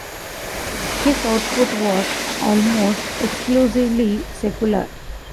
His output was almost exclusively secular.